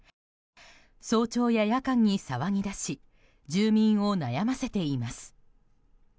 早朝や夜間に騒ぎ出し住民を悩ませています。